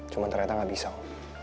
cuma ternyata gak bisa om